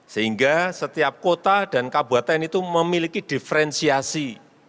sehingga setiap kota dan kabupaten itu memiliki diferensiasi